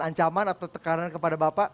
ancaman atau tekanan kepada bapak